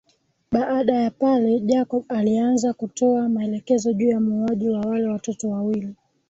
Baada ya pale Jacob alianza kutoa maelekezo juu ya muuaji wa wale Watoto wawili